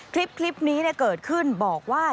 คลิปนี้เกิดขึ้นบอกว่า